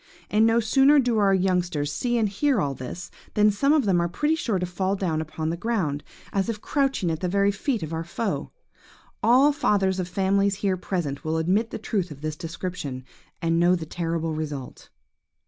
And no sooner do our youngsters see and hear all this, than some of them are pretty sure to fall down upon the ground, as if crouching at the very feet of our foe. All fathers of families here present will admit the truth of this description, and know the terrible result.